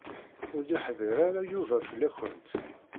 Ur d-yeḥḍiṛ ara Yuba fell-akent.